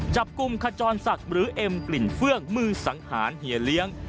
จับกลุ่มขจรศักดิ์หรือเอ็มกลิ่นเฟื่องมือสังหารเฮียเลี้ยง